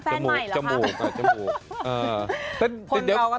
แฟนใหม่เหรอครับจมูก